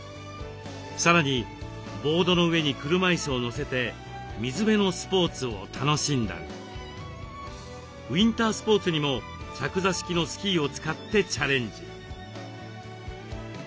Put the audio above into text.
さらにボードの上に車いすを載せて水辺のスポーツを楽しんだりウインタースポーツにも着座式のスキーを使ってチャレンジ。